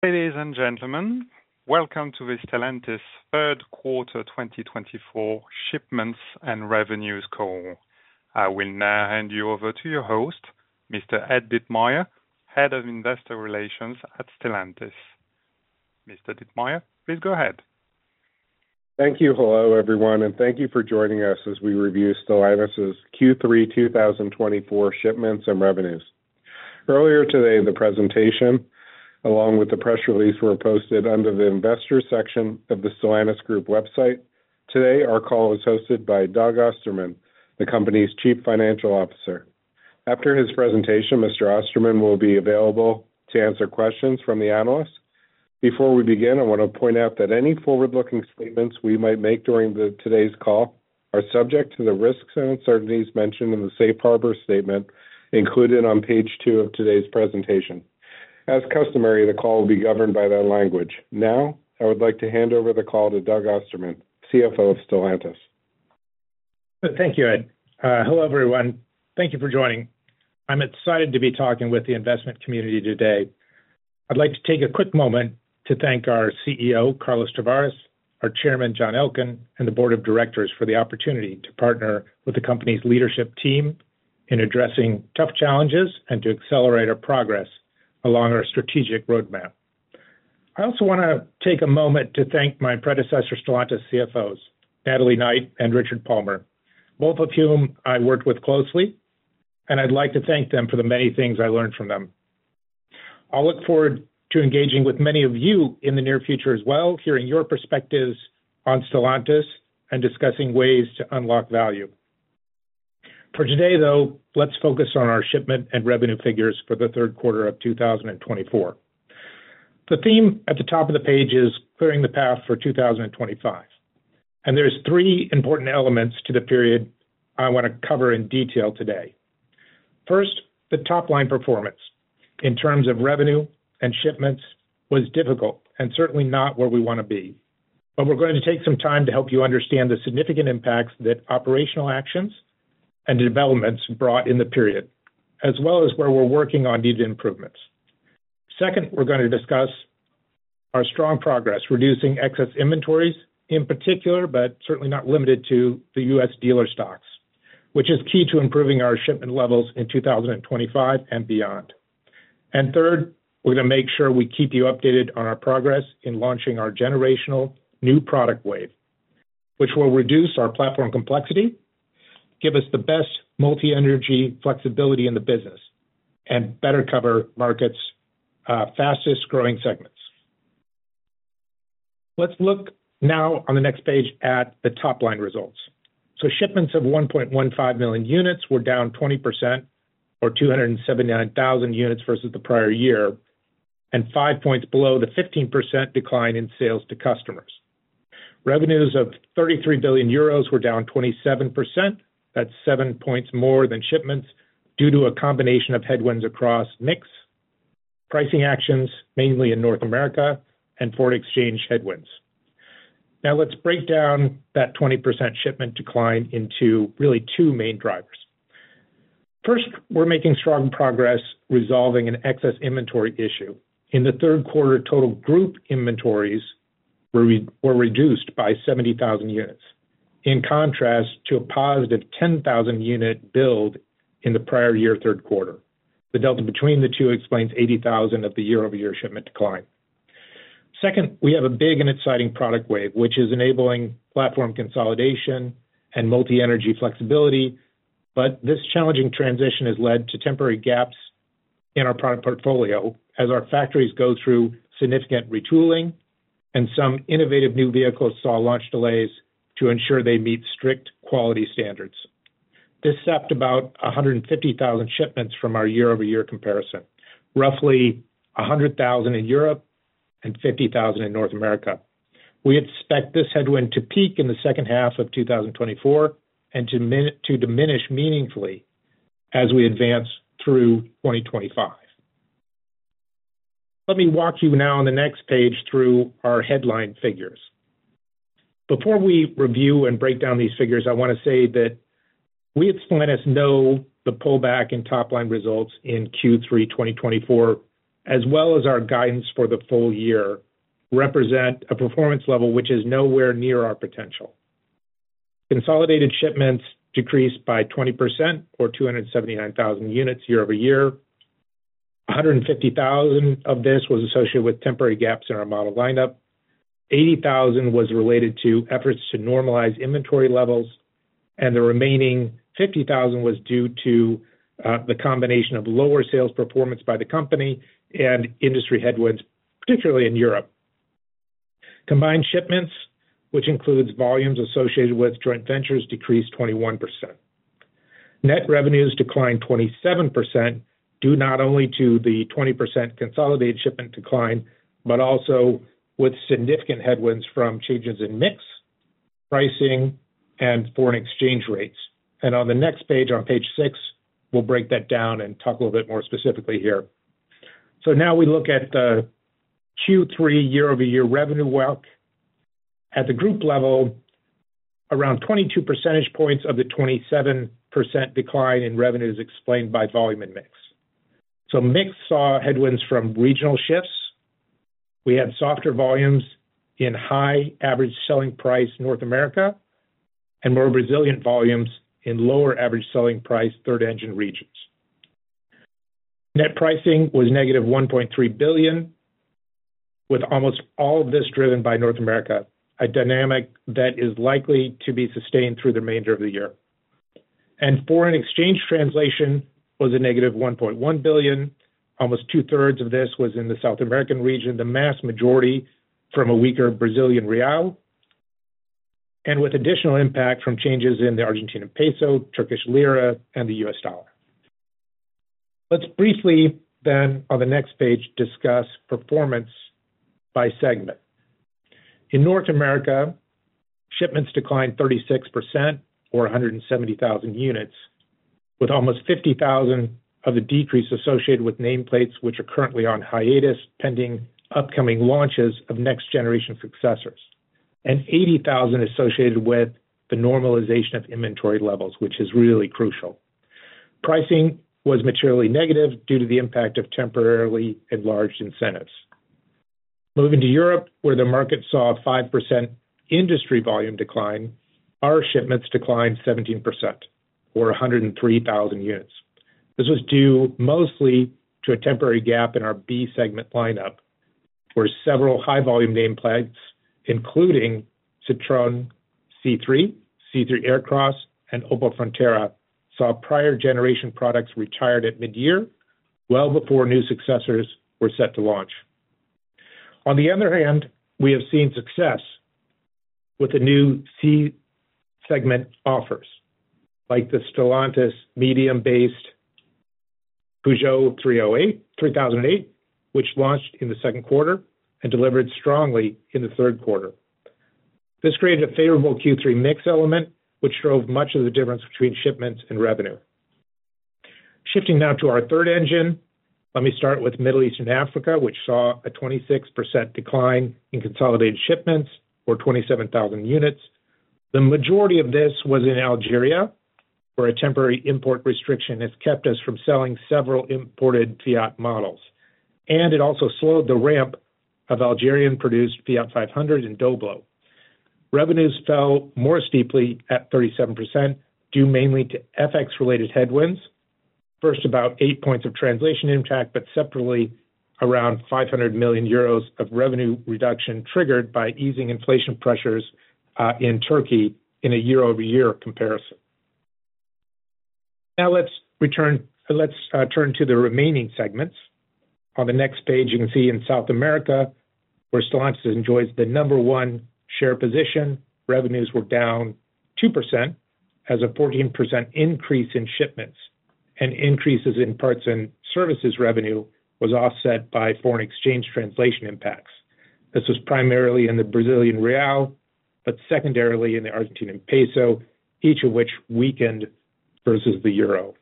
Ladies and gentlemen, welcome to the Stellantis Third Quarter 2024 Shipments and Revenues Call. I will now hand you over to your host, Mr. Ed Ditmayer, Head of Investor Relations at Stellantis. Mr. Ditmayer, please go ahead. Thank you. Hello, everyone, and thank you for joining us as we review Stellantis's Q3 2024 shipments and revenues. Earlier today, the presentation, along with the press release, were posted under the Investor section of the Stellantis Group website. Today, our call is hosted by Doug Ostermann, the company's Chief Financial Officer. After his presentation, Mr. Ostermann will be available to answer questions from the analysts. Before we begin, I want to point out that any forward-looking statements we might make during today's call are subject to the risks and uncertainties mentioned in the Safe Harbor Statement included on page two of today's presentation. As customary, the call will be governed by that language. Now, I would like to hand over the call to Doug Ostermann, CFO of Stellantis. Thank you, Ed. Hello, everyone. Thank you for joining. I'm excited to be talking with the investment community today. I'd like to take a quick moment to thank our CEO, Carlos Tavares, our Chairman, John Elkann, and the Board of Directors for the opportunity to partner with the company's leadership team in addressing tough challenges and to accelerate our progress along our strategic roadmap. I also want to take a moment to thank my predecessors, Stellantis CFOs, Natalie Knight and Richard Palmer, both of whom I worked with closely, and I'd like to thank them for the many things I learned from them. I'll look forward to engaging with many of you in the near future as well, hearing your perspectives on Stellantis and discussing ways to unlock value. For today, though, let's focus on our shipment and revenue figures for the third quarter of 2024. The theme at the top of the page is Clearing the Path for 2025, and there are three important elements to the period I want to cover in detail today. First, the top-line performance in terms of revenue and shipments was difficult and certainly not where we want to be, but we're going to take some time to help you understand the significant impacts that operational actions and developments brought in the period, as well as where we're working on needed improvements. Second, we're going to discuss our strong progress reducing excess inventories, in particular, but certainly not limited to the U.S. dealer stocks, which is key to improving our shipment levels in 2025 and beyond. Third, we're going to make sure we keep you updated on our progress in launching our generational new product wave, which will reduce our platform complexity, give us the best multi-energy flexibility in the business, and better cover markets' fastest growing segments. Let's look now on the next page at the top-line results. So shipments of 1.15 million units were down 20%, or 279,000 units versus the prior year, and five points below the 15% decline in sales to customers. Revenues of 33 billion euros were down 27%. That's seven points more than shipments due to a combination of headwinds across Mix, pricing actions, mainly in North America, and foreign exchange headwinds. Now, let's break down that 20% shipment decline into really two main drivers. First, we're making strong progress resolving an excess inventory issue. In the third quarter, total group inventories were reduced by 70,000 units, in contrast to a positive 10,000-unit build in the prior year third quarter. The delta between the two explains 80,000 of the year-over-year shipment decline. Second, we have a big and exciting product wave, which is enabling platform consolidation and multi-energy flexibility, but this challenging transition has led to temporary gaps in our product portfolio as our factories go through significant retooling, and some innovative new vehicles saw launch delays to ensure they meet strict quality standards. This sapped about 150,000 shipments from our year-over-year comparison, roughly 100,000 in Europe and 50,000 in North America. We expect this headwind to peak in the second half of 2024 and to diminish meaningfully as we advance through 2025. Let me walk you now on the next page through our headline figures. Before we review and break down these figures, I want to say that we at Stellantis know the pullback in top-line results in Q3 2024, as well as our guidance for the full year, represent a performance level which is nowhere near our potential. Consolidated shipments decreased by 20%, or 279,000 units year-over-year. 150,000 of this was associated with temporary gaps in our model lineup. 80,000 was related to efforts to normalize inventory levels, and the remaining 50,000 was due to the combination of lower sales performance by the company and industry headwinds, particularly in Europe. Combined shipments, which includes volumes associated with joint ventures, decreased 21%. Net revenues declined 27%, due not only to the 20% consolidated shipment decline, but also with significant headwinds from changes in Mix, pricing, and foreign exchange rates. On the next page, on page six, we'll break that down and talk a little bit more specifically here. Now we look at the Q3 year-over-year revenue walk. At the group level, around 22 percentage points of the 27% decline in revenues explained by volume and NICS. NICS saw headwinds from regional shifts. We had softer volumes in high average selling price North America and more resilient volumes in lower average selling price Third Engine regions. Net pricing was negative 1.3 billion, with almost all of this driven by North America, a dynamic that is likely to be sustained through the remainder of the year. Foreign exchange translation was a negative 1.1 billion. Almost two-thirds of this was in the South American region, the vast majority from a weaker Brazilian real, and with additional impact from changes in the Argentine peso, Turkish lira, and the U.S. dollar. Let's briefly then, on the next page, discuss performance by segment. In North America, shipments declined 36%, or 170,000 units, with almost 50,000 of the decrease associated with nameplates which are currently on hiatus pending upcoming launches of next-generation successors, and 80,000 associated with the normalization of inventory levels, which is really crucial. Pricing was materially negative due to the impact of temporarily enlarged incentives. Moving to Europe, where the market saw a 5% industry volume decline, our shipments declined 17%, or 103,000 units. This was due mostly to a temporary gap in our B segment lineup, where several high-volume nameplates, including Citroën C3, C3 Aircross, and Opel Frontera, saw prior-generation products retired at mid-year well before new successors were set to launch. On the other hand, we have seen success with the new C segment offers, like the STLA Medium-based Peugeot 3008, which launched in the second quarter and delivered strongly in the third quarter. This created a favorable Q3 NICS element, which drove much of the difference between shipments and revenue. Shifting now to our Third Engine, let me start with Middle East and Africa, which saw a 26% decline in consolidated shipments, or 27,000 units. The majority of this was in Algeria, where a temporary import restriction has kept us from selling several imported Fiat models, and it also slowed the ramp of Algerian-produced Fiat 500 and Doblò. Revenues fell more steeply at 37%, due mainly to FX-related headwinds. First, about eight points of translation impact, but separately, around 500 million euros of revenue reduction triggered by easing inflation pressures in Turkey in a year-over-year comparison. Now, let's turn to the remaining segments. On the next page, you can see in South America, where Stellantis enjoys the number one share position. Revenues were down 2%, as a 14% increase in shipments, and increases in parts and services revenue was offset by foreign exchange translation impacts. This was primarily in the Brazilian real, but secondarily in the Argentine peso, each of which weakened versus the euro.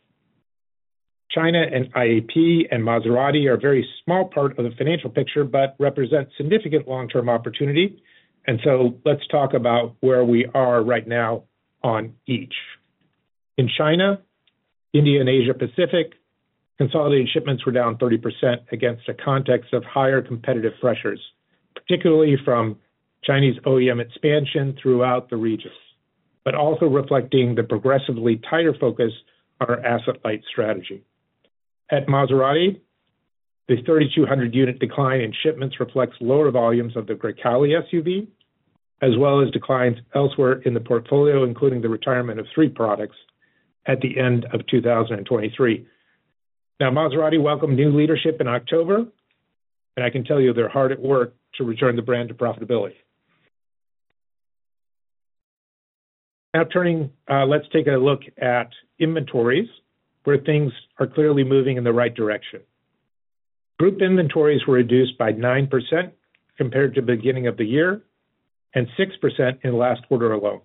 China and IAP and Maserati are a very small part of the financial picture, but represent significant long-term opportunity. And so let's talk about where we are right now on each. In China, India and Asia-Pacific, consolidated shipments were down 30% against a context of higher competitive pressures, particularly from Chinese OEM expansion throughout the regions, but also reflecting the progressively tighter focus on our asset-light strategy. At Maserati, the 3,200-unit decline in shipments reflects lower volumes of the Grecale SUV, as well as declines elsewhere in the portfolio, including the retirement of three products at the end of 2023. Now, Maserati welcomed new leadership in October, and I can tell you they're hard at work to return the brand to profitability. Now, turning, let's take a look at inventories, where things are clearly moving in the right direction. Group inventories were reduced by 9% compared to the beginning of the year and 6% in the last quarter alone.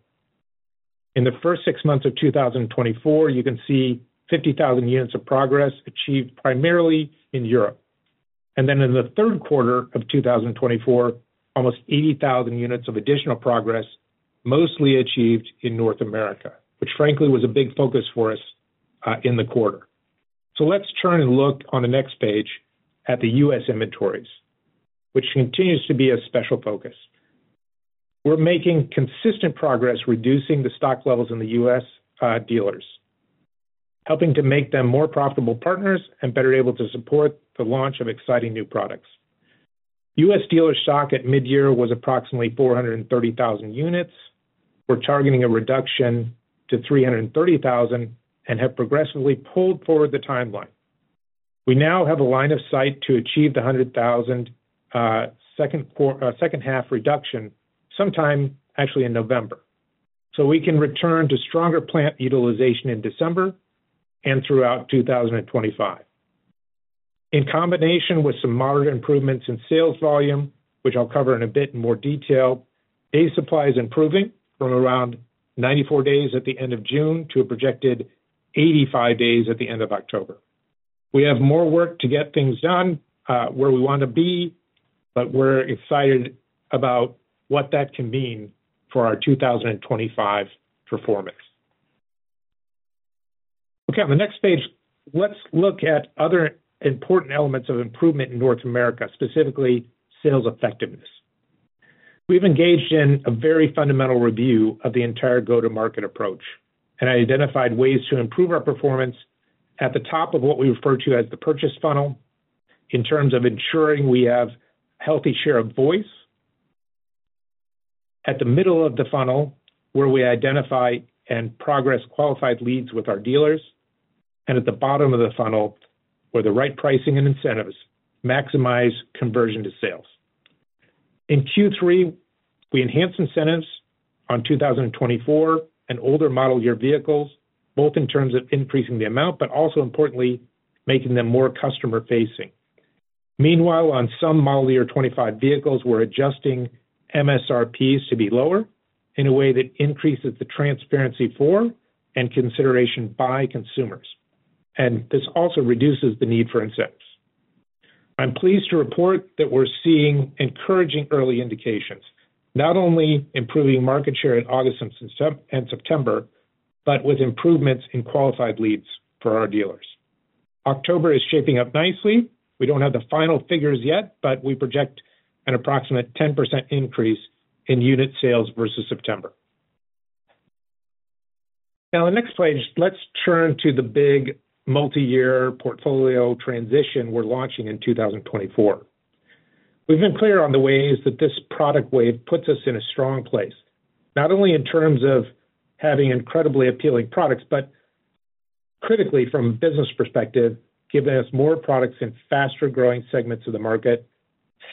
In the first six months of 2024, you can see 50,000 units of progress achieved primarily in Europe. Then in the third quarter of 2024, almost 80,000 units of additional progress, mostly achieved in North America, which frankly was a big focus for us in the quarter. So let's turn and look on the next page at the U.S. inventories, which continues to be a special focus. We're making consistent progress reducing the stock levels in the U.S. dealers, helping to make them more profitable partners and better able to support the launch of exciting new products. U.S. dealer stock at mid-year was approximately 430,000 units. We're targeting a reduction to 330,000 and have progressively pulled forward the timeline. We now have a line of sight to achieve the 100,000 second-half reduction sometime, actually in November, so we can return to stronger plant utilization in December and throughout 2025. In combination with some moderate improvements in sales volume, which I'll cover in a bit more detail, day supply is improving from around 94 days at the end of June to a projected 85 days at the end of October. We have more work to get things done where we want to be, but we're excited about what that can mean for our 2025 performance. Okay, on the next page, let's look at other important elements of improvement in North America, specifically sales effectiveness. We've engaged in a very fundamental review of the entire go-to-market approach, and I identified ways to improve our performance at the top of what we refer to as the purchase funnel, in terms of ensuring we have a healthy share of voice. At the middle of the funnel, where we identify and progress qualified leads with our dealers, and at the bottom of the funnel, where the right pricing and incentives maximize conversion to sales. In Q3, we enhanced incentives on 2024 and older model year vehicles, both in terms of increasing the amount, but also importantly, making them more customer-facing. Meanwhile, on some model year 2025 vehicles, we're adjusting MSRPs to be lower in a way that increases the transparency for and consideration by consumers, and this also reduces the need for incentives. I'm pleased to report that we're seeing encouraging early indications, not only improving market share in August and September, but with improvements in qualified leads for our dealers. October is shaping up nicely. We don't have the final figures yet, but we project an approximate 10% increase in unit sales versus September. Now, on the next page, let's turn to the big multi-year portfolio transition we're launching in 2024. We've been clear on the ways that this product wave puts us in a strong place, not only in terms of having incredibly appealing products, but critically, from a business perspective, giving us more products in faster-growing segments of the market,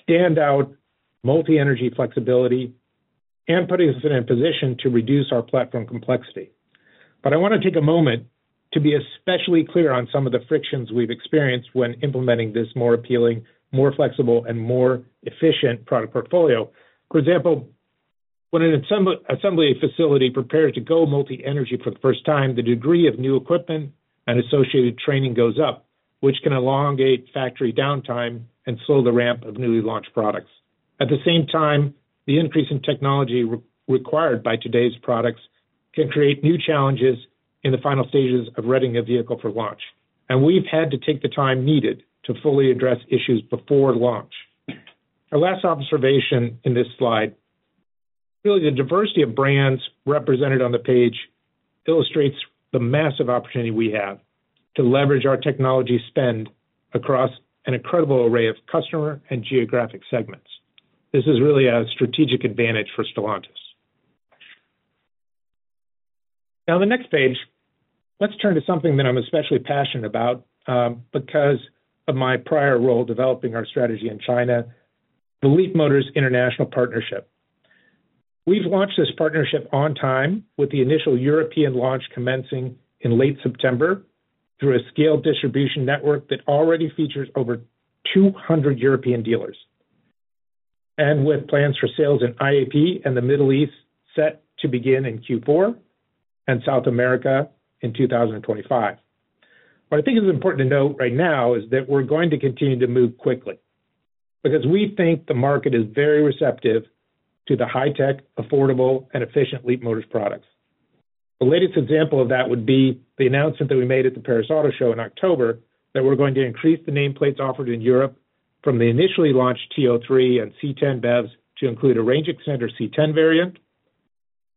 standout multi-energy flexibility, and putting us in a position to reduce our platform complexity. But I want to take a moment to be especially clear on some of the frictions we've experienced when implementing this more appealing, more flexible, and more efficient product portfolio. For example, when an assembly facility prepares to go multi-energy for the first time, the degree of new equipment and associated training goes up, which can elongate factory downtime and slow the ramp of newly launched products. At the same time, the increase in technology required by today's products can create new challenges in the final stages of readying a vehicle for launch. And we've had to take the time needed to fully address issues before launch. Our last observation in this slide, really the diversity of brands represented on the page illustrates the massive opportunity we have to leverage our technology spend across an incredible array of customer and geographic segments. This is really a strategic advantage for Stellantis. Now, on the next page, let's turn to something that I'm especially passionate about because of my prior role developing our strategy in China, the Leapmotor International partnership. We've launched this partnership on time with the initial European launch commencing in late September through a scaled distribution network that already features over 200 European dealers, and with plans for sales in IAP and the Middle East set to begin in Q4 and South America in 2025. What I think is important to note right now is that we're going to continue to move quickly because we think the market is very receptive to the high-tech, affordable, and efficient Leapmotor products. The latest example of that would be the announcement that we made at the Paris Auto Show in October that we're going to increase the nameplates offered in Europe from the initially launched T03 and C10 BEVs to include a range extender C10 variant,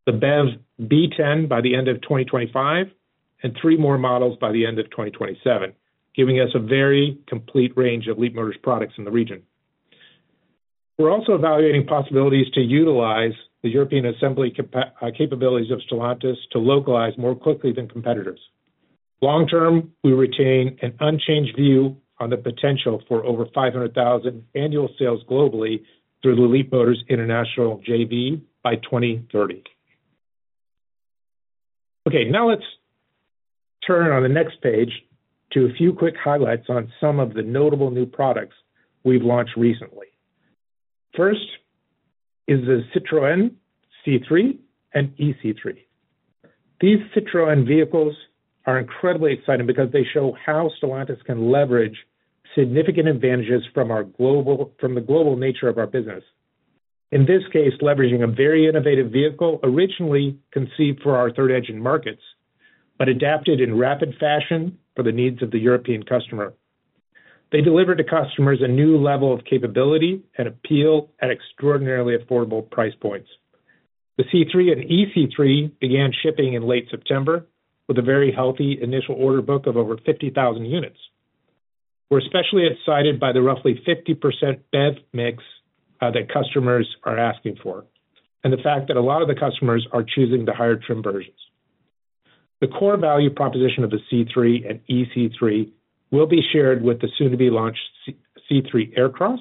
the BEV B10 by the end of 2025, and three more models by the end of 2027, giving us a very complete range of Leapmotor products in the region. We're also evaluating possibilities to utilize the European assembly capabilities of Stellantis to localize more quickly than competitors. Long-term, we retain an unchanged view on the potential for over 500,000 annual sales globally through the Leapmotor International JV by 2030. Okay, now let's turn on the next page to a few quick highlights on some of the notable new products we've launched recently. First is the Citroën C3 and ë-C3. These Citroën vehicles are incredibly exciting because they show how Stellantis can leverage significant advantages from the global nature of our business. In this case, leveraging a very innovative vehicle originally conceived for our Third Engine markets, but adapted in rapid fashion for the needs of the European customer. They delivered to customers a new level of capability and appeal at extraordinarily affordable price points. The C3 and ë-C3 began shipping in late September with a very healthy initial order book of over 50,000 units. We're especially excited by the roughly 50% BEV mix that customers are asking for, and the fact that a lot of the customers are choosing the higher trim versions. The core value proposition of the C3 and ë-C3 will be shared with the soon-to-be-launched C3 Aircross,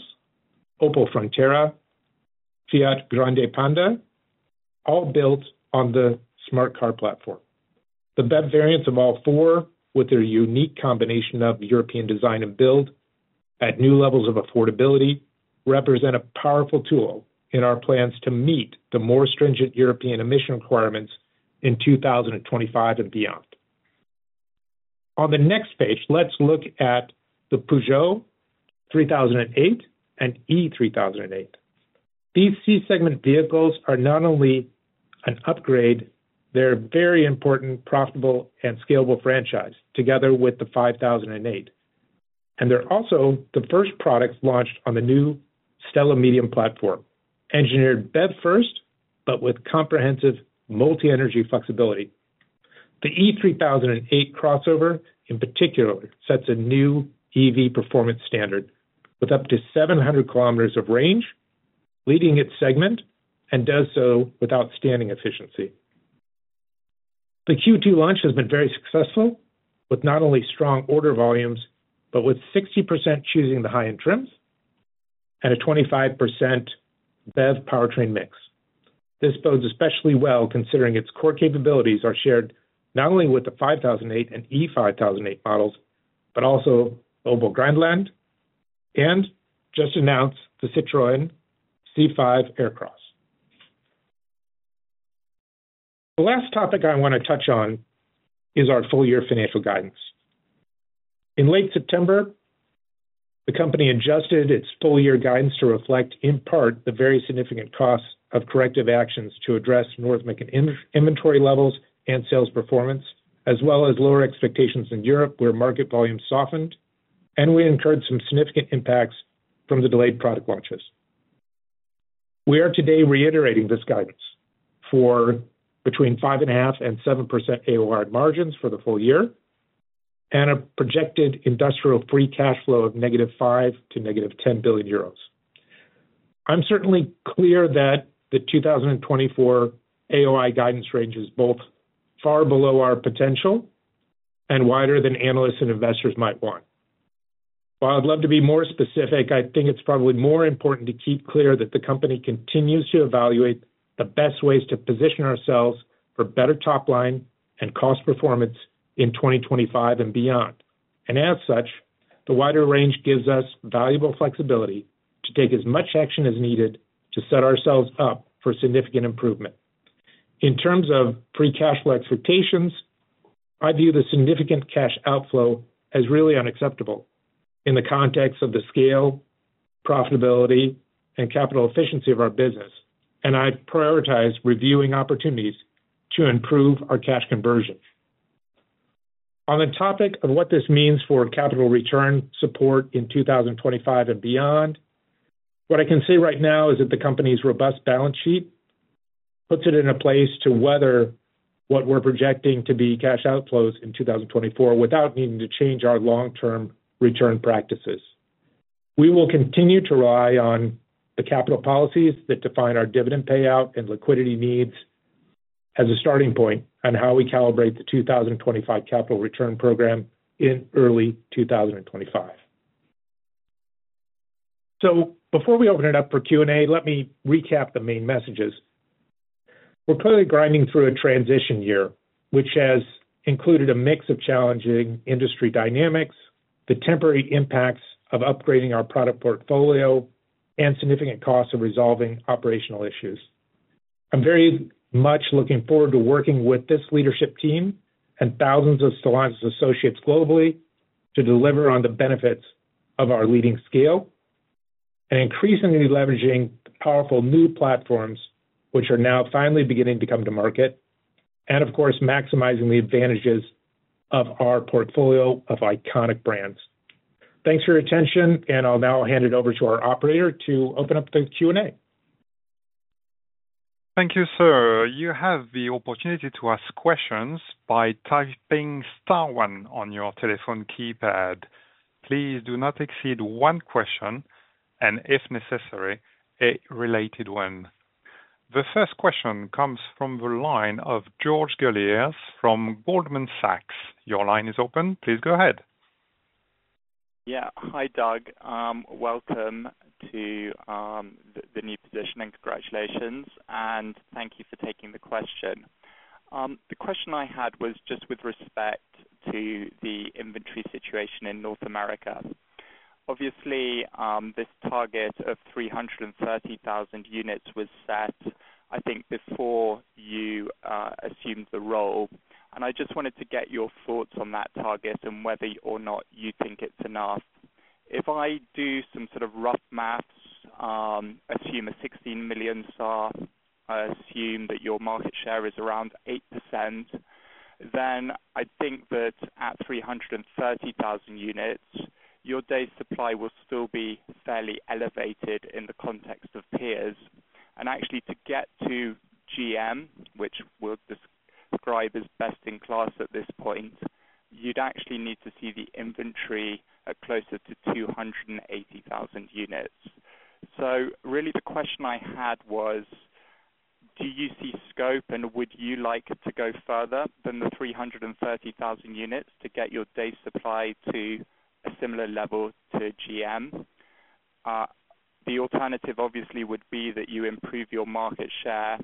Opel Frontera, Fiat Grande Panda, all built on the Smart Car Platform. The BEV variants of all four, with their unique combination of European design and build at new levels of affordability, represent a powerful tool in our plans to meet the more stringent European emission requirements in 2025 and beyond. On the next page, let's look at the Peugeot 3008 and E-3008. These C-segment vehicles are not only an upgrade, they're a very important, profitable, and scalable franchise together with the 5008, and they're also the first products launched on the new STLA Medium platform, engineered BEV-first, but with comprehensive multi-energy flexibility. The E-3008 crossover, in particular, sets a new EV performance standard with up to 700 km of range, leading its segment, and does so with outstanding efficiency. The Q2 launch has been very successful, with not only strong order volumes, but with 60% choosing the high-end trims and a 25% BEV powertrain mix. This bodes especially well considering its core capabilities are shared not only with the 5008 and E-5008 models, but also Opel Grandland and just announced the Citroën C5 Aircross. The last topic I want to touch on is our full-year financial guidance. In late September, the company adjusted its full-year guidance to reflect, in part, the very significant costs of corrective actions to address North American inventory levels and sales performance, as well as lower expectations in Europe where market volume softened, and we incurred some significant impacts from the delayed product launches. We are today reiterating this guidance for between 5.5% and 7% AOI margins for the full year and a projected industrial free cash flow of -5 billion to -10 billion euros. I'm certainly clear that the 2024 AOI guidance range is both far below our potential and wider than analysts and investors might want. While I'd love to be more specific, I think it's probably more important to keep clear that the company continues to evaluate the best ways to position ourselves for better top line and cost performance in 2025 and beyond. And as such, the wider range gives us valuable flexibility to take as much action as needed to set ourselves up for significant improvement. In terms of pre-cash flow expectations, I view the significant cash outflow as really unacceptable in the context of the scale, profitability, and capital efficiency of our business, and I prioritize reviewing opportunities to improve our cash conversion. On the topic of what this means for capital return support in 2025 and beyond, what I can say right now is that the company's robust balance sheet puts it in a place to weather what we're projecting to be cash outflows in 2024 without needing to change our long-term return practices. We will continue to rely on the capital policies that define our dividend payout and liquidity needs as a starting point on how we calibrate the 2025 capital return program in early 2025. So before we open it up for Q&A, let me recap the main messages. We're clearly grinding through a transition year, which has included a mix of challenging industry dynamics, the temporary impacts of upgrading our product portfolio, and significant costs of resolving operational issues. I'm very much looking forward to working with this leadership team and thousands of Stellantis associates globally to deliver on the benefits of our leading scale and increasingly leveraging powerful new platforms, which are now finally beginning to come to market, and of course, maximizing the advantages of our portfolio of iconic brands. Thanks for your attention, and I'll now hand it over to our operator to open up the Q&A. Thank you, sir. You have the opportunity to ask questions by typing star one on your telephone keypad. Please do not exceed one question, and if necessary, a related one. The first question comes from the line of George Galliers from Goldman Sachs. Your line is open. Please go ahead. Yeah. Hi, Doug. Welcome to the new position, and congratulations, and thank you for taking the question. The question I had was just with respect to the inventory situation in North America. Obviously, this target of 330,000 units was set, I think, before you assumed the role, and I just wanted to get your thoughts on that target and whether or not you think it's enough. If I do some sort of rough math, assume a 16 million SAAR, I assume that your market share is around 8%, then I think that at 330,000 units, your day's supply will still be fairly elevated in the context of peers. And actually, to get to GM, which we'll describe as best in class at this point, you'd actually need to see the inventory at closer to 280,000 units. So really, the question I had was, do you see scope, and would you like to go further than the 330,000 units to get your day's supply to a similar level to GM? The alternative, obviously, would be that you improve your market share.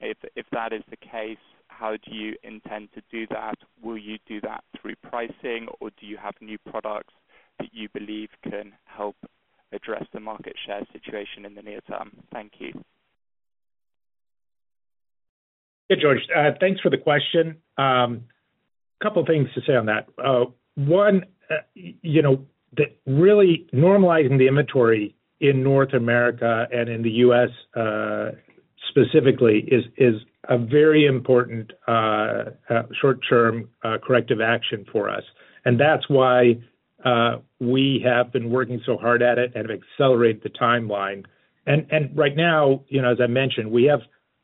If that is the case, how do you intend to do that? Will you do that through pricing, or do you have new products that you believe can help address the market share situation in the near term? Thank you. Yeah, George, thanks for the question. A couple of things to say on that. One, really normalizing the inventory in North America and in the U.S. specifically is a very important short-term corrective action for us. And that's why we have been working so hard at it and have accelerated the timeline. And right now, as I mentioned, we have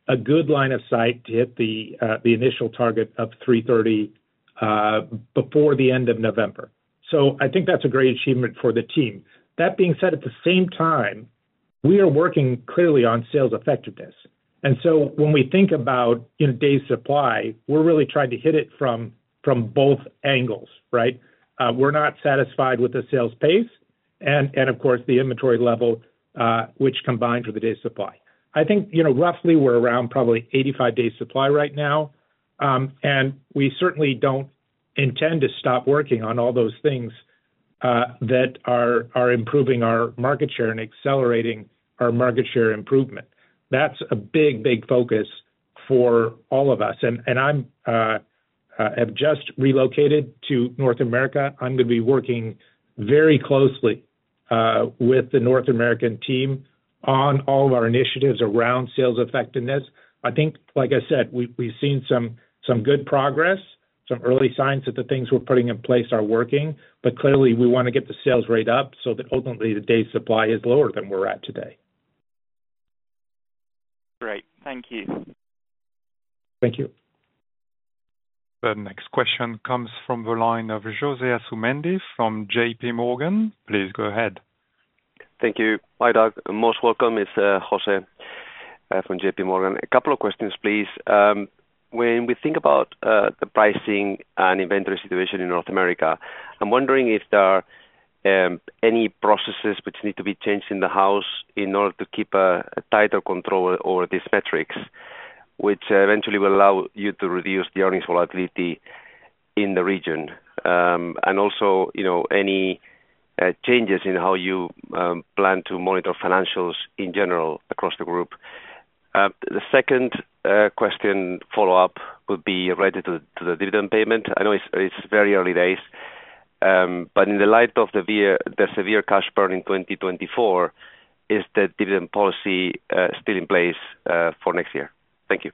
a good line of sight to hit the initial target of 330 before the end of November. So I think that's a great achievement for the team. That being said, at the same time, we are working clearly on sales effectiveness. And so when we think about days supply, we're really trying to hit it from both angles, right? We're not satisfied with the sales pace and, of course, the inventory level, which combines with the days supply. I think roughly we're around probably 85 days' supply right now, and we certainly don't intend to stop working on all those things that are improving our market share and accelerating our market share improvement. That's a big, big focus for all of us, and I have just relocated to North America. I'm going to be working very closely with the North American team on all of our initiatives around sales effectiveness. I think, like I said, we've seen some good progress, some early signs that the things we're putting in place are working, but clearly we want to get the sales rate up so that ultimately the day's supply is lower than we're at today. Great. Thank you. Thank you. The next question comes from the line of José Asumendi from JPMorgan. Please go ahead. Thank you. Hi, Doug. Most welcome is José from JPMorgan. A couple of questions, please. When we think about the pricing and inventory situation in North America, I'm wondering if there are any processes which need to be changed in the house in order to keep a tighter control over these metrics, which eventually will allow you to reduce the earnings volatility in the region, and also any changes in how you plan to monitor financials in general across the group. The second question follow-up would be related to the dividend payment. I know it's very early days, but in the light of the severe cash burn in 2024, is the dividend policy still in place for next year? Thank you.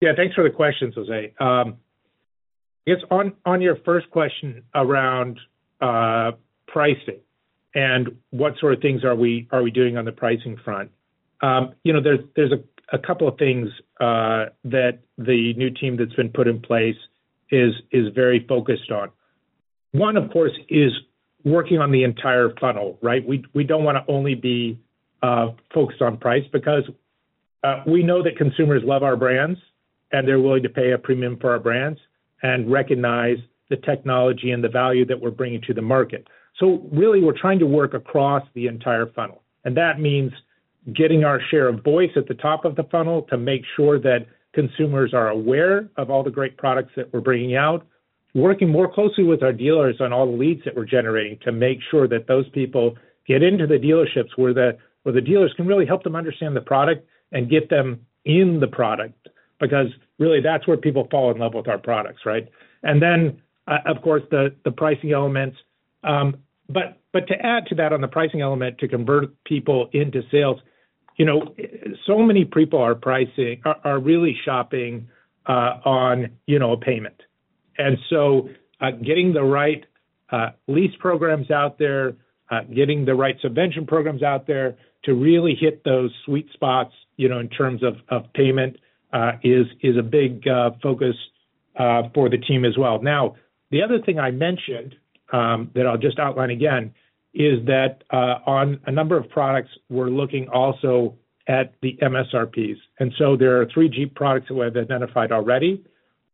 Yeah, thanks for the question, José. On your first question around pricing and what sort of things are we doing on the pricing front, there's a couple of things that the new team that's been put in place is very focused on. One, of course, is working on the entire funnel, right? We don't want to only be focused on price because we know that consumers love our brands and they're willing to pay a premium for our brands and recognize the technology and the value that we're bringing to the market. So really, we're trying to work across the entire funnel, and that means getting our share of voice at the top of the funnel to make sure that consumers are aware of all the great products that we're bringing out, working more closely with our dealers on all the leads that we're generating to make sure that those people get into the dealerships where the dealers can really help them understand the product and get them in the product because really that's where people fall in love with our products, right? And then, of course, the pricing elements. But to add to that on the pricing element to convert people into sales, so many people are really shopping on a payment. And so getting the right lease programs out there, getting the right subvention programs out there to really hit those sweet spots in terms of payment is a big focus for the team as well. Now, the other thing I mentioned that I'll just outline again is that on a number of products, we're looking also at the MSRPs. And so there are three Jeep products that we have identified already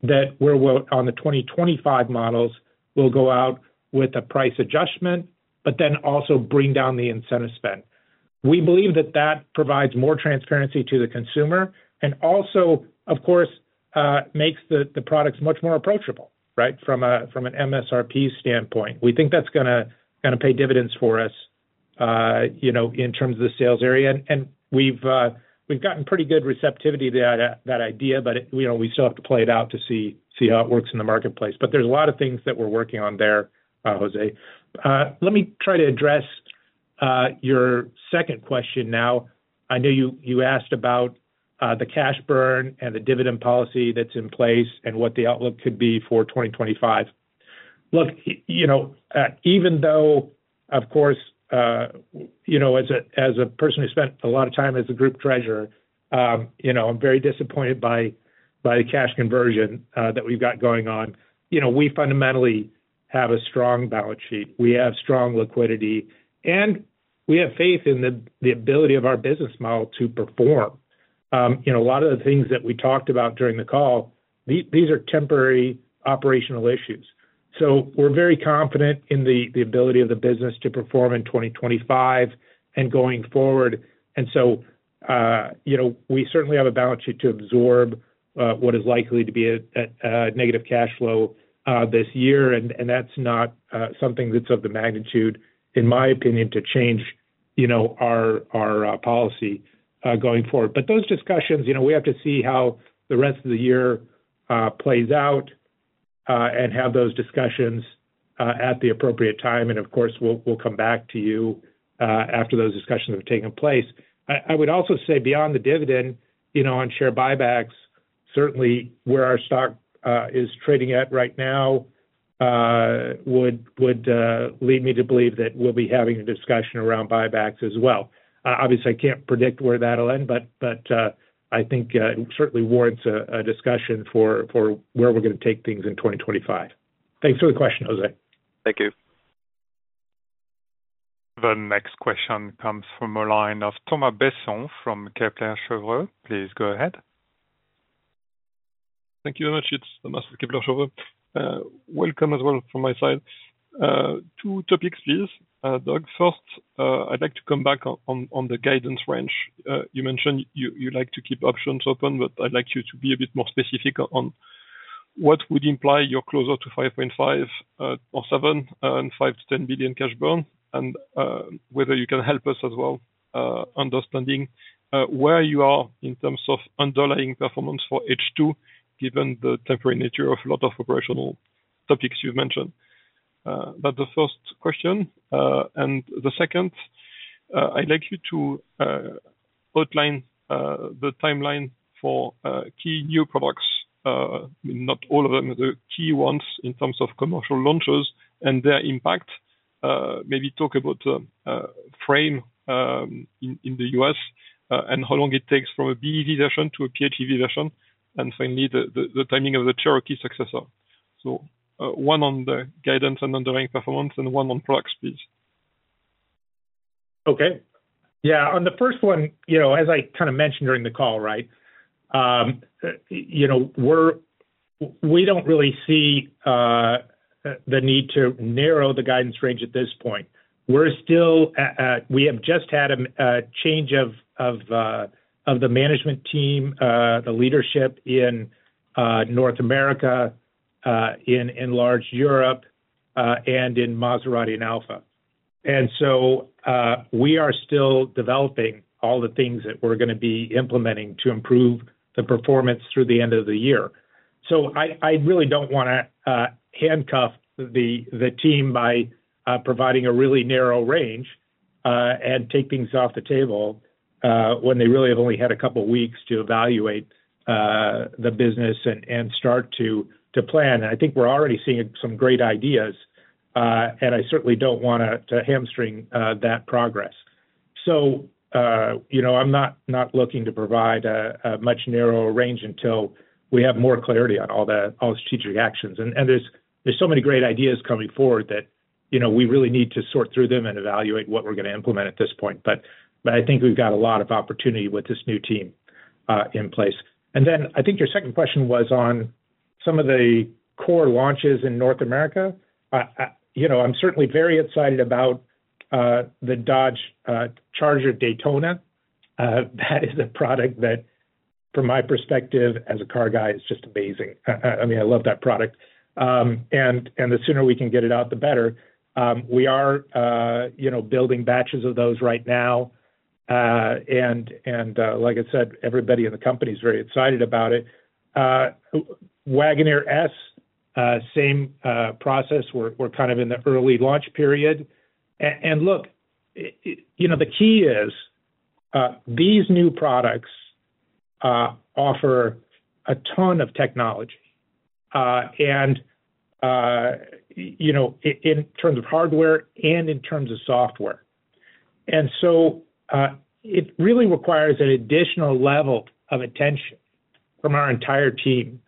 that we're on the 2025 models will go out with a price adjustment, but then also bring down the incentive spend. We believe that that provides more transparency to the consumer and also, of course, makes the products much more approachable, right, from an MSRP standpoint. We think that's going to pay dividends for us in terms of the sales area. And we've gotten pretty good receptivity to that idea, but we still have to play it out to see how it works in the marketplace. But there's a lot of things that we're working on there, José. Let me try to address your second question now. I know you asked about the cash burn and the dividend policy that's in place and what the outlook could be for 2025. Look, even though, of course, as a person who spent a lot of time as a group treasurer, I'm very disappointed by the cash conversion that we've got going on. We fundamentally have a strong balance sheet. We have strong liquidity, and we have faith in the ability of our business model to perform. A lot of the things that we talked about during the call, these are temporary operational issues. We're very confident in the ability of the business to perform in 2025 and going forward. We certainly have a balance sheet to absorb what is likely to be a negative cash flow this year, and that's not something that's of the magnitude, in my opinion, to change our policy going forward. Those discussions, we have to see how the rest of the year plays out and have those discussions at the appropriate time. Of course, we'll come back to you after those discussions have taken place. I would also say beyond the dividend on share buybacks, certainly where our stock is trading at right now would lead me to believe that we'll be having a discussion around buybacks as well. Obviously, I can't predict where that'll end, but I think it certainly warrants a discussion for where we're going to take things in 2025. Thanks for the question, José. Thank you. The next question comes from the line of Thomas Besson from Kepler Cheuvreux. Please go ahead. Thank you very much. It's Thomas, Kepler Cheuvreux. Welcome as well from my side. Two topics, please, Doug. First, I'd like to come back on the guidance range. You mentioned you like to keep options open, but I'd like you to be a bit more specific on what would imply you're closer to 5.5 billion or 7 billion and 5 billion-10 billion cash burn, and whether you can help us as well understanding where you are in terms of underlying performance for H2, given the temporary nature of a lot of operational topics you've mentioned. That's the first question, and the second, I'd like you to outline the timeline for key new products, not all of them, the key ones in terms of commercial launchers and their impact. Maybe talk about Ram in the U.S. and how long it takes from a BEV version to a PHEV version, and finally, the timing of the Cherokee successor. So one on the guidance and underlying performance and one on products, please. Okay. Yeah. On the first one, as I kind of mentioned during the call, right, we don't really see the need to narrow the guidance range at this point. We have just had a change of the management team, the leadership in North America, in Enlarged Europe, and in Maserati and Alfa Romeo. And so we are still developing all the things that we're going to be implementing to improve the performance through the end of the year. So I really don't want to handcuff the team by providing a really narrow range and take things off the table when they really have only had a couple of weeks to evaluate the business and start to plan. And I think we're already seeing some great ideas, and I certainly don't want to hamstring that progress. So I'm not looking to provide a much narrower range until we have more clarity on all the strategic actions, and there's so many great ideas coming forward that we really need to sort through them and evaluate what we're going to implement at this point, but I think we've got a lot of opportunity with this new team in place, and then I think your second question was on some of the core launches in North America. I'm certainly very excited about the Dodge Charger Daytona. That is a product that, from my perspective as a car guy, is just amazing. I mean, I love that product, and the sooner we can get it out, the better. We are building batches of those right now, and like I said, everybody in the company is very excited about it. Wagoneer S, same process. We're kind of in the early launch period. And look, the key is these new products offer a ton of technology in terms of hardware and in terms of software. And so it really requires an additional level of attention from our entire team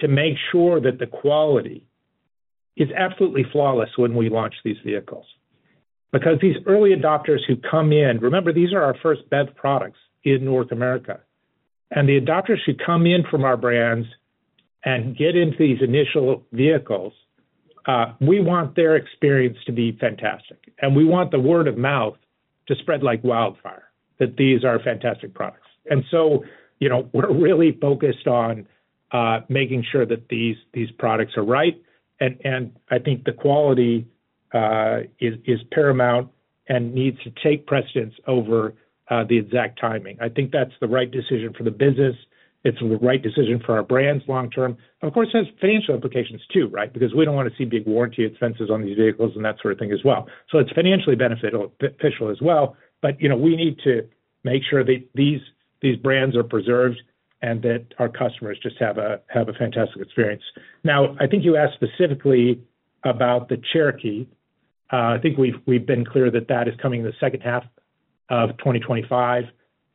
to make sure that the quality is absolutely flawless when we launch these vehicles. Because these early adopters who come in, remember, these are our first BEV products in North America. And the adopters who come in from our brands and get into these initial vehicles, we want their experience to be fantastic. And we want the word of mouth to spread like wildfire that these are fantastic products. And so we're really focused on making sure that these products are right. And I think the quality is paramount and needs to take precedence over the exact timing. I think that's the right decision for the business. It's the right decision for our brands long-term. Of course, it has financial implications too, right? Because we don't want to see big warranty expenses on these vehicles and that sort of thing as well. So it's financially beneficial as well. But we need to make sure that these brands are preserved and that our customers just have a fantastic experience. Now, I think you asked specifically about the Cherokee. I think we've been clear that that is coming in the second half of 2025.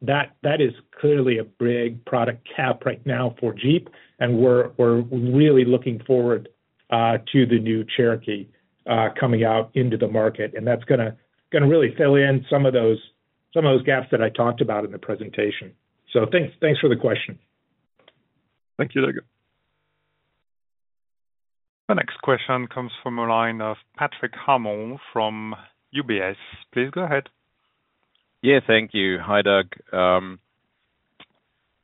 That is clearly a big product gap right now for Jeep, and we're really looking forward to the new Cherokee coming out into the market. And that's going to really fill in some of those gaps that I talked about in the presentation. So thanks for the question. Thank you, Doug. The next question comes from the line of Patrick Hummel from UBS. Please go ahead. Yeah, thank you. Hi, Doug.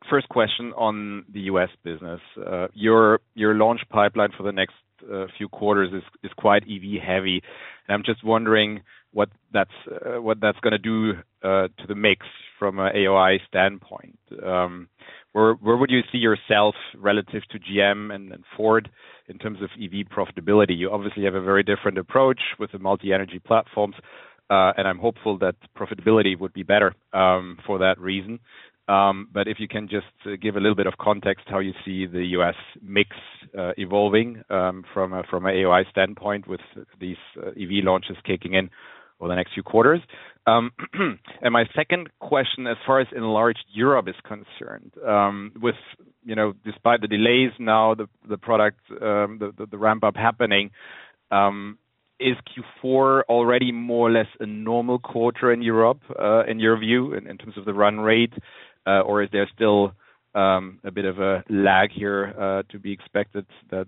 First question on the U.S. business. Your launch pipeline for the next few quarters is quite EV-heavy. And I'm just wondering what that's going to do to the mix from an AOI standpoint. Where would you see yourself relative to GM and Ford in terms of EV profitability? You obviously have a very different approach with the multi-energy platforms, and I'm hopeful that profitability would be better for that reason. But if you can just give a little bit of context how you see the U.S. mix evolving from an AOI standpoint with these EV launches kicking in over the next few quarters. And my second question as far as enlarged Europe is concerned, despite the delays now, the ramp-up happening, is Q4 already more or less a normal quarter in Europe, in your view, in terms of the run rate? Or is there still a bit of a lag here to be expected that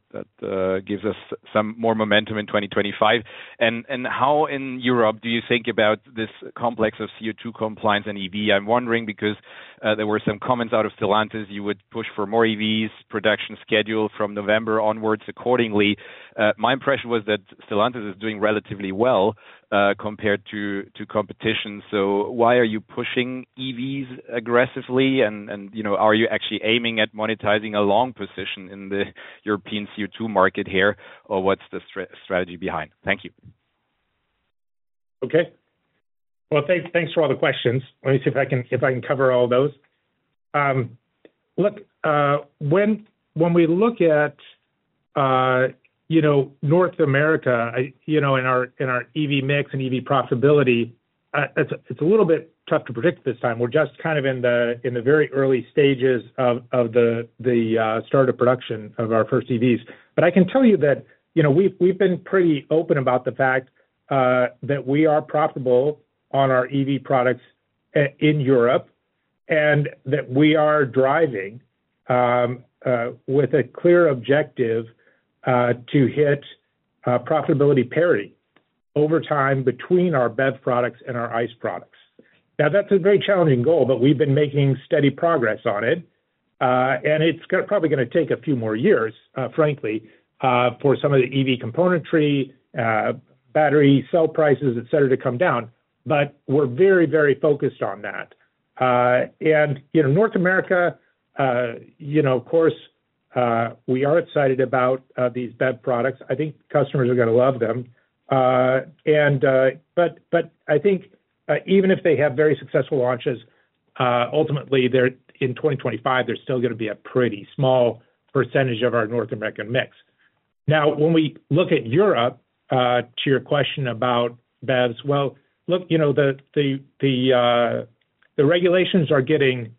gives us some more momentum in 2025? And how in Europe do you think about this complex of CO2 compliance and EV? I'm wondering because there were some comments out of Stellantis you would push for more EVs, production schedule from November onwards accordingly. My impression was that Stellantis is doing relatively well compared to competition. So why are you pushing EVs aggressively? And are you actually aiming at monetizing a long position in the European CO2 market here, or what's the strategy behind? Thank you. Okay. Well, thanks for all the questions. Let me see if I can cover all those. Look, when we look at North America in our EV mix and EV profitability, it's a little bit tough to predict this time. We're just kind of in the very early stages of the start of production of our first EVs. But I can tell you that we've been pretty open about the fact that we are profitable on our EV products in Europe and that we are driving with a clear objective to hit profitability parity over time between our BEV products and our ICE products. Now, that's a very challenging goal, but we've been making steady progress on it. And it's probably going to take a few more years, frankly, for some of the EV componentry, battery cell prices, etc., to come down. But we're very, very focused on that. And North America, of course, we are excited about these BEV products. I think customers are going to love them. But I think even if they have very successful launches, ultimately, in 2025, there's still going to be a pretty small percentage of our North American mix. Now, when we look at Europe, to your question about BEVs, well, look, the regulations are getting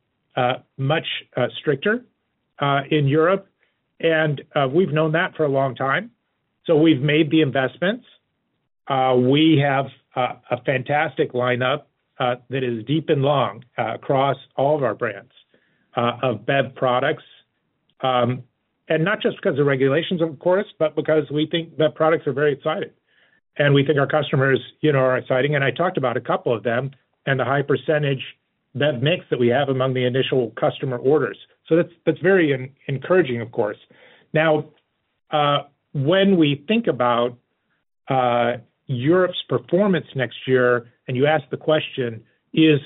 much stricter in Europe. And we've known that for a long time. So we've made the investments. We have a fantastic lineup that is deep and long across all of our brands of BEV products. And not just because of regulations, of course, but because we think BEV products are very exciting. And we think our customers are exciting. And I talked about a couple of them and the high percentage BEV mix that we have among the initial customer orders. So that's very encouraging, of course. Now, when we think about Europe's performance next year, and you ask the question, is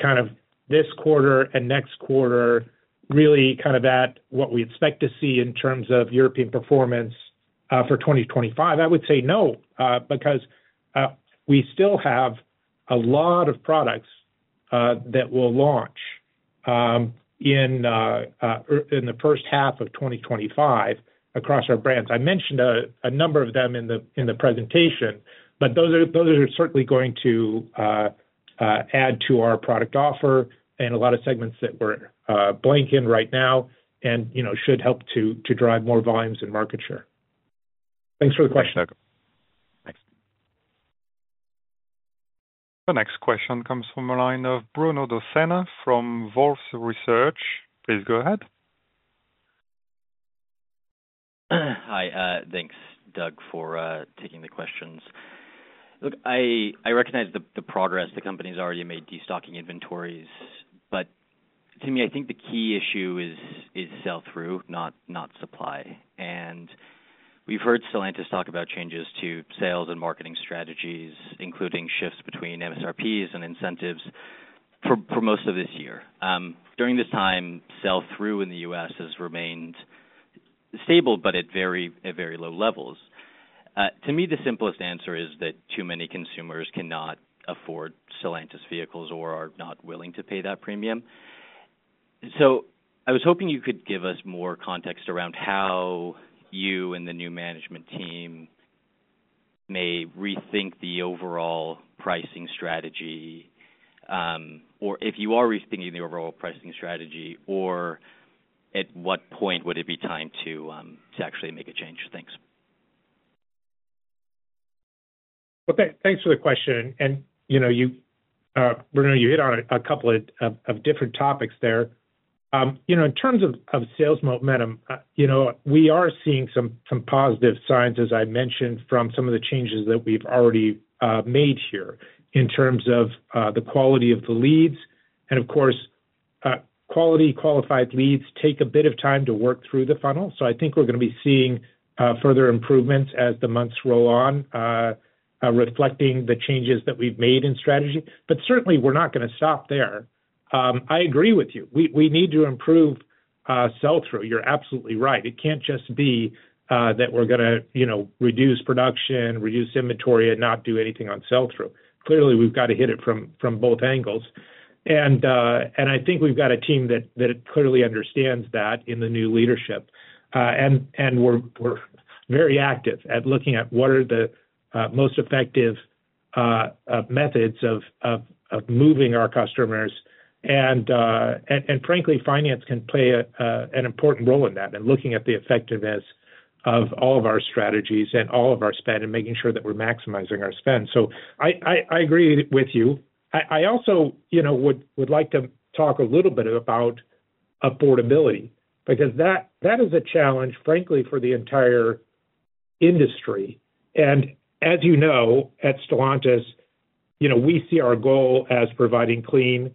kind of this quarter and next quarter really kind of at what we expect to see in terms of European performance for 2025? I would say no, because we still have a lot of products that will launch in the first half of 2025 across our brands. I mentioned a number of them in the presentation, but those are certainly going to add to our product offer and a lot of segments that we're blanking right now and should help to drive more volumes and market share. Thanks for the question. Thanks. The next question comes from the line of Bruno Dossena from Wolfe Research. Please go ahead. Hi. Thanks, Doug, for taking the questions. Look, I recognize the progress the company has already made de-stocking inventories. But to me, I think the key issue is sell-through, not supply. And we've heard Stellantis talk about changes to sales and marketing strategies, including shifts between MSRPs and incentives for most of this year. During this time, sell-through in the U.S. has remained stable, but at very low levels. To me, the simplest answer is that too many consumers cannot afford Stellantis vehicles or are not willing to pay that premium. So I was hoping you could give us more context around how you and the new management team may rethink the overall pricing strategy, or if you are rethinking the overall pricing strategy, or at what point would it be time to actually make a change. Thanks. Okay. Thanks for the question. And Bruno, you hit on a couple of different topics there. In terms of sales momentum, we are seeing some positive signs, as I mentioned, from some of the changes that we've already made here in terms of the quality of the leads. And of course, quality qualified leads take a bit of time to work through the funnel. So I think we're going to be seeing further improvements as the months roll on, reflecting the changes that we've made in strategy. But certainly, we're not going to stop there. I agree with you. We need to improve sell-through. You're absolutely right. It can't just be that we're going to reduce production, reduce inventory, and not do anything on sell-through. Clearly, we've got to hit it from both angles. And I think we've got a team that clearly understands that in the new leadership. We're very active at looking at what are the most effective methods of moving our customers. And frankly, finance can play an important role in that and looking at the effectiveness of all of our strategies and all of our spend and making sure that we're maximizing our spend. So I agree with you. I also would like to talk a little bit about affordability because that is a challenge, frankly, for the entire industry. And as you know, at Stellantis, we see our goal as providing clean,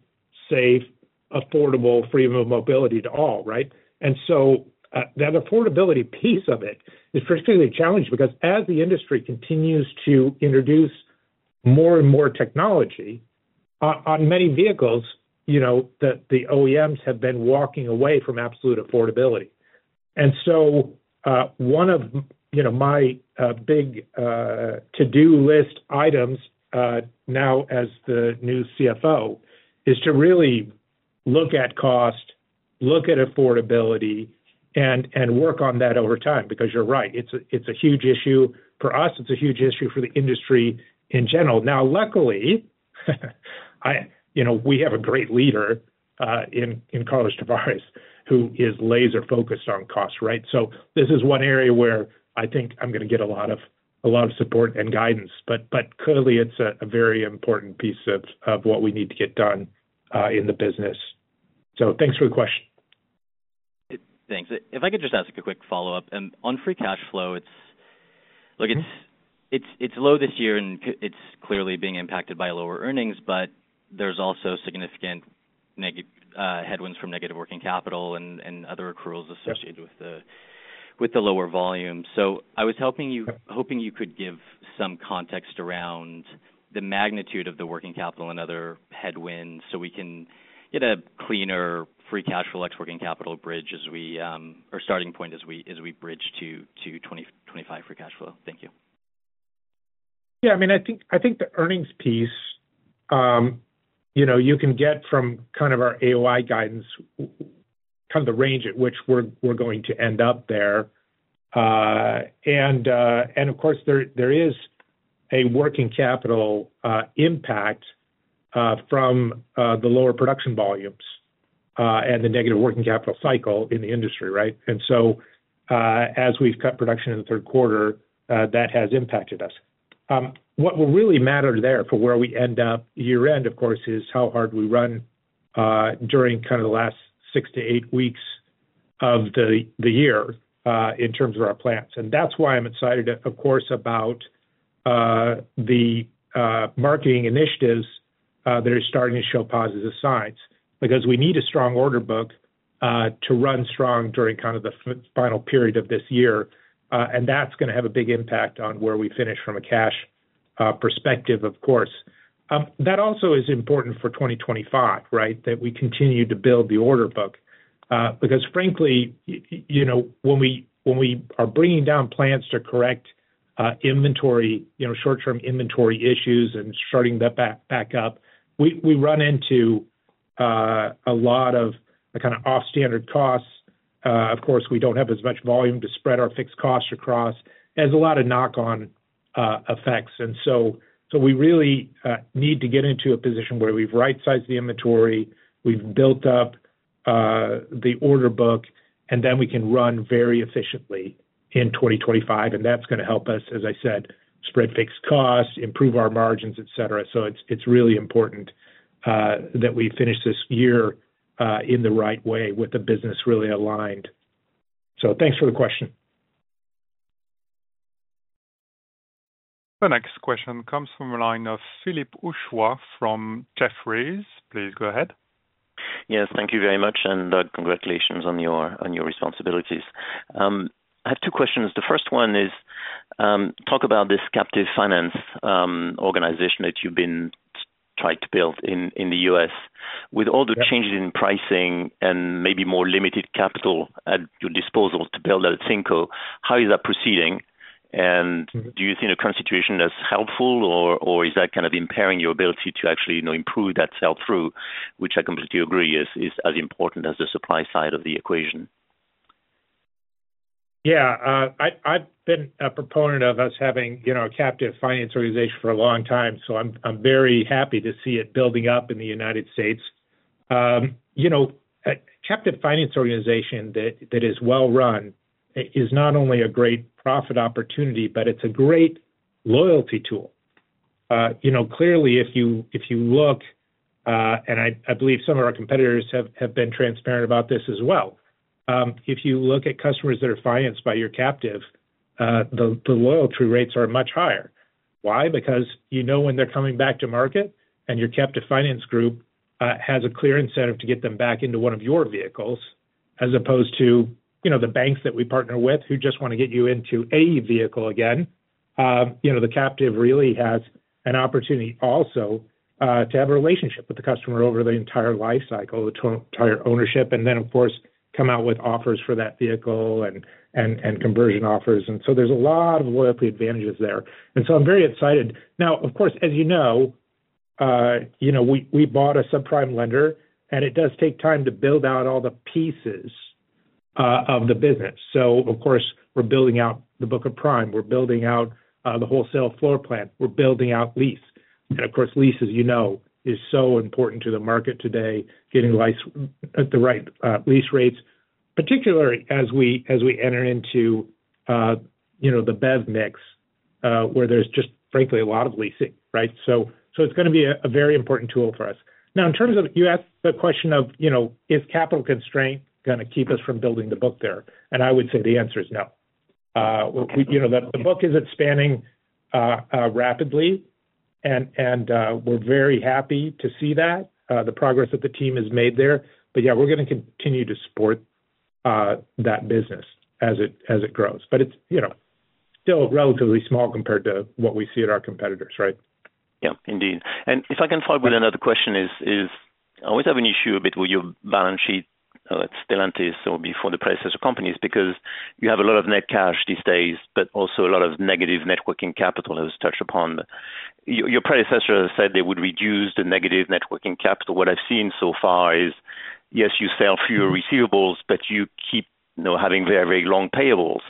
safe, affordable, freedom of mobility to all, right? And so that affordability piece of it is particularly challenging because as the industry continues to introduce more and more technology on many vehicles, the OEMs have been walking away from absolute affordability. And so one of my big to-do list items now as the new CFO is to really look at cost, look at affordability, and work on that over time because you're right. It's a huge issue for us. It's a huge issue for the industry in general. Now, luckily, we have a great leader in Carlos Tavares who is laser-focused on cost, right? So this is one area where I think I'm going to get a lot of support and guidance. But clearly, it's a very important piece of what we need to get done in the business. So thanks for the question. Thanks. If I could just ask a quick follow-up and on free cash flow, look, it's low this year, and it's clearly being impacted by lower earnings, but there's also significant headwinds from negative working capital and other accruals associated with the lower volume, so I was hoping you could give some context around the magnitude of the working capital and other headwinds so we can get a cleaner free cash flow/working capital bridge as we or starting point as we bridge to 2025 free cash flow. Thank you. Yeah. I mean, I think the earnings piece you can get from kind of our AOI guidance, kind of the range at which we're going to end up there, and of course, there is a working capital impact from the lower production volumes and the negative working capital cycle in the industry, right, and so as we've cut production in the third quarter, that has impacted us. What will really matter there for where we end up year-end, of course, is how hard we run during kind of the last six to eight weeks of the year in terms of our plants, and that's why I'm excited, of course, about the marketing initiatives that are starting to show positive signs because we need a strong order book to run strong during kind of the final period of this year. That's going to have a big impact on where we finish from a cash perspective, of course. That also is important for 2025, right, that we continue to build the order book because, frankly, when we are bringing down plants to correct short-term inventory issues and starting that back up, we run into a lot of kind of off-standard costs. Of course, we don't have as much volume to spread our fixed costs across as a lot of knock-on effects. We really need to get into a position where we've right-sized the inventory, we've built up the order book, and then we can run very efficiently in 2025. That's going to help us, as I said, spread fixed costs, improve our margins, etc. It's really important that we finish this year in the right way with the business really aligned. Thanks for the question. The next question comes from the line of Philippe Houchois from Jefferies. Please go ahead. Yes. Thank you very much and congratulations on your responsibilities. I have two questions. The first one is talk about this captive finance organization that you've been trying to build in the U.S. With all the changes in pricing and maybe more limited capital at your disposal to build out a finco, how is that proceeding? And do you think the situation that's helpful, or is that kind of impairing your ability to actually improve that sell-through, which I completely agree is as important as the supply side of the equation? Yeah. I've been a proponent of us having a captive finance organization for a long time. So I'm very happy to see it building up in the United States. A captive finance organization that is well-run is not only a great profit opportunity, but it's a great loyalty tool. Clearly, if you look, and I believe some of our competitors have been transparent about this as well, if you look at customers that are financed by your captive, the loyalty rates are much higher. Why? Because you know when they're coming back to market, and your captive finance group has a clear incentive to get them back into one of your vehicles as opposed to the banks that we partner with who just want to get you into a vehicle again. The captive really has an opportunity also to have a relationship with the customer over the entire lifecycle, the entire ownership, and then, of course, come out with offers for that vehicle and conversion offers. And so there's a lot of loyalty advantages there. And so I'm very excited. Now, of course, as you know, we bought a subprime lender, and it does take time to build out all the pieces of the business. So, of course, we're building out the book of prime. We're building out the wholesale floor plan. We're building out lease. And of course, lease, as you know, is so important to the market today, getting the right lease rates, particularly as we enter into the BEV mix where there's just, frankly, a lot of leasing, right? So it's going to be a very important tool for us. Now, in terms of you asked the question of, is capital constraint going to keep us from building the book there? And I would say the answer is no. The book is expanding rapidly, and we're very happy to see that, the progress that the team has made there. But yeah, we're going to continue to support that business as it grows. But it's still relatively small compared to what we see at our competitors, right? Yeah, indeed. And if I can follow up with another question, as I always have an issue a bit with your balance sheet at Stellantis or before the predecessor companies because you have a lot of net cash these days, but also a lot of negative working capital, as touched upon. Your predecessor said they would reduce the negative working capital. What I've seen so far is, yes, you sell fewer receivables, but you keep having very, very long payables.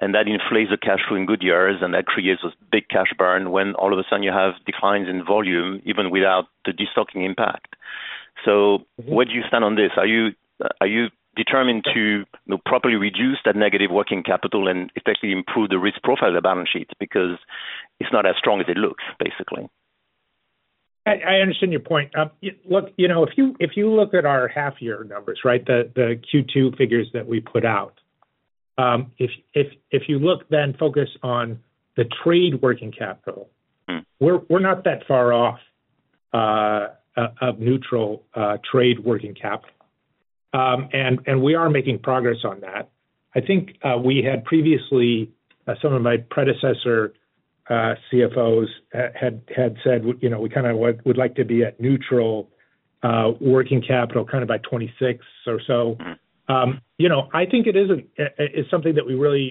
And that inflates the cash flow in good years, and that creates a big cash burn when all of a sudden you have declines in volume even without the destocking impact. So where do you stand on this? Are you determined to properly reduce that negative working capital and effectively improve the risk profile of the balance sheet because it's not as strong as it looks, basically? I understand your point. Look, if you look at our half-year numbers, right, the Q2 figures that we put out, if you look, then focus on the trade working capital, we're not that far off of neutral trade working capital, and we are making progress on that. I think we had previously, some of my predecessor CFOs had said we kind of would like to be at neutral working capital kind of by 2026 or so. I think it is something that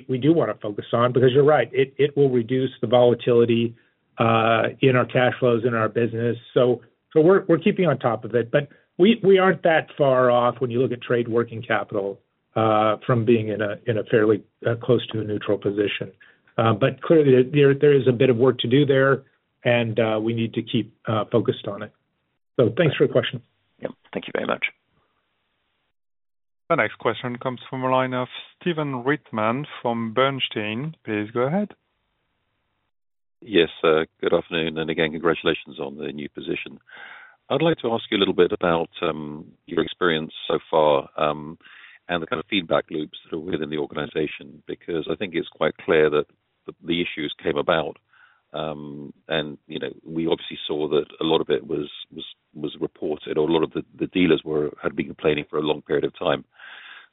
we do want to focus on because you're right. It will reduce the volatility in our cash flows in our business. So we're keeping on top of it, but we aren't that far off when you look at trade working capital from being in a fairly close to a neutral position. But clearly, there is a bit of work to do there, and we need to keep focused on it. So thanks for the question. Yeah. Thank you very much. The next question comes from the line of Stephen Reitman from Bernstein. Please go ahead. Yes. Good afternoon. And again, congratulations on the new position. I'd like to ask you a little bit about your experience so far and the kind of feedback loops that are within the organization because I think it's quite clear that the issues came about. And we obviously saw that a lot of it was reported or a lot of the dealers had been complaining for a long period of time.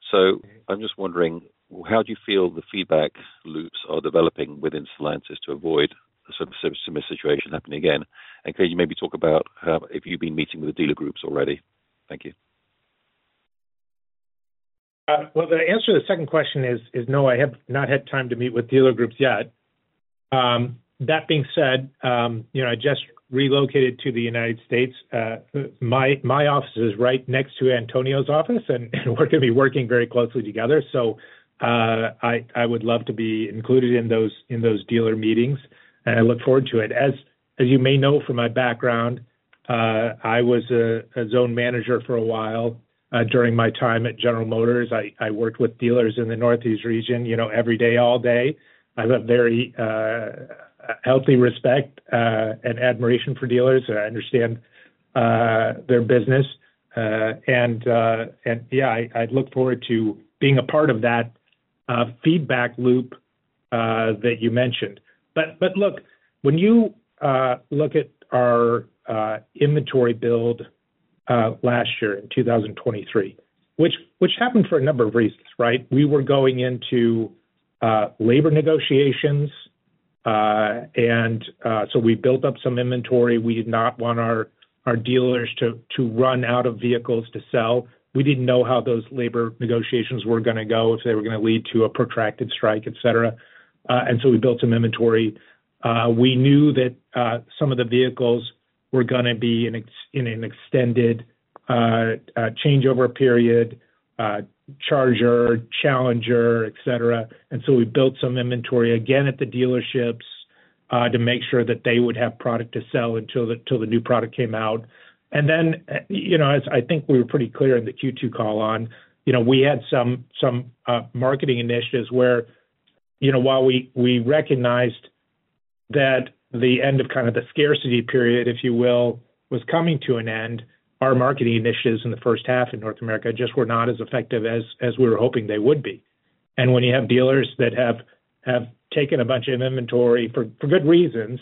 So I'm just wondering, how do you feel the feedback loops are developing within Stellantis to avoid a similar situation happening again? And could you maybe talk about if you've been meeting with the dealer groups already? Thank you. The answer to the second question is no. I have not had time to meet with dealer groups yet. That being said, I just relocated to the United States. My office is right next to Antonio's office, and we're going to be working very closely together. So I would love to be included in those dealer meetings, and I look forward to it. As you may know from my background, I was a zone manager for a while during my time at General Motors. I worked with dealers in the Northeast region every day, all day. I have a very healthy respect and admiration for dealers. I understand their business. Yeah, I'd look forward to being a part of that feedback loop that you mentioned. Look, when you look at our inventory build last year in 2023, which happened for a number of reasons, right? We were going into labor negotiations, and so we built up some inventory. We did not want our dealers to run out of vehicles to sell. We didn't know how those labor negotiations were going to go, if they were going to lead to a protracted strike, etc., and so we built some inventory. We knew that some of the vehicles were going to be in an extended changeover period, Charger, Challenger, etc., and so we built some inventory again at the dealerships to make sure that they would have product to sell until the new product came out. And then, as I think we were pretty clear in the Q2 call on, we had some marketing initiatives where while we recognized that the end of kind of the scarcity period, if you will, was coming to an end, our marketing initiatives in the first half in North America just were not as effective as we were hoping they would be. And when you have dealers that have taken a bunch of inventory for good reasons,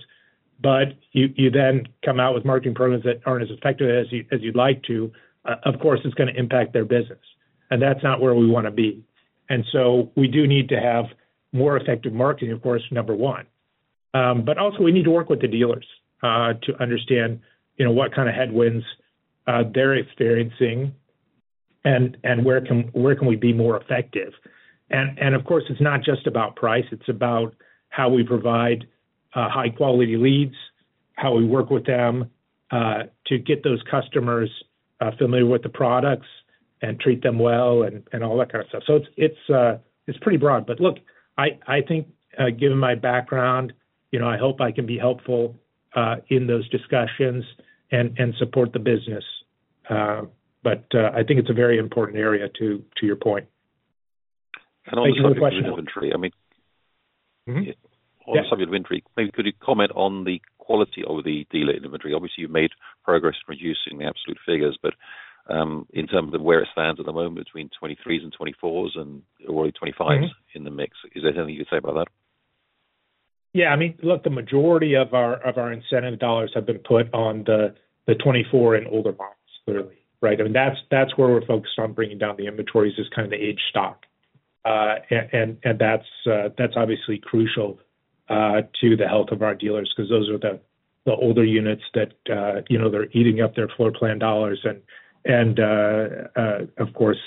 but you then come out with marketing programs that aren't as effective as you'd like to, of course, it's going to impact their business. And that's not where we want to be. And so we do need to have more effective marketing, of course, number one. But also, we need to work with the dealers to understand what kind of headwinds they're experiencing and where can we be more effective. Of course, it's not just about price. It's about how we provide high-quality leads, how we work with them to get those customers familiar with the products and treat them well and all that kind of stuff. It's pretty broad. Look, I think given my background, I hope I can be helpful in those discussions and support the business. I think it's a very important area to your point. And also in terms of inventory, I mean, also in terms of inventory, maybe could you comment on the quality of the dealer inventory? Obviously, you've made progress in reducing the absolute figures, but in terms of where it stands at the moment between 2023s and 2024s and early 2025s in the mix, is there anything you could say about that? Yeah. I mean, look, the majority of our incentive dollars have been put on the 2024 and older models, clearly, right? I mean, that's where we're focused on bringing down the inventory, just kind of the aged stock, and that's obviously crucial to the health of our dealers because those are the older units that they're eating up their floor plan dollars and, of course,